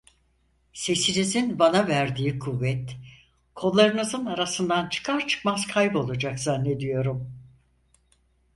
Sesinizin bana verdiği kuvvet kollarınızın arasından çıkar çıkmaz kaybolacak zannediyorum…